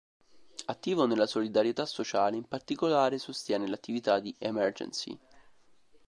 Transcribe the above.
Attivo nella solidarietà sociale, in particolare sostiene l'attività di Emergency.